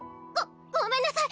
ごごめんなさい